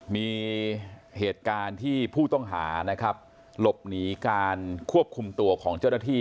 มีเหตุการณ์ที่ผู้ต้องหานะครับหลบหนีการควบคุมตัวของเจ้าหน้าที่